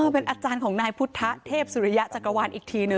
เป็นอาจารย์ของนายพุทธเทพสุริยะจักรวาลอีกทีหนึ่ง